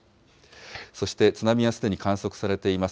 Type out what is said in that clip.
そして津波はすでに観測されています。